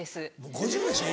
５０でしょ？